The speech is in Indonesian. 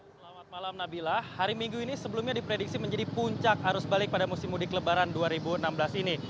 selamat malam nabila hari minggu ini sebelumnya diprediksi menjadi puncak arus balik pada musim mudik lebaran dua ribu enam belas ini